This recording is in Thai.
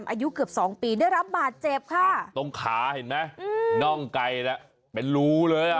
อายุเกือบสองปีได้รับบาดเจ็บค่ะตรงขาเห็นไหมอืมน่องไกลแล้วเป็นรูเลยอ่ะ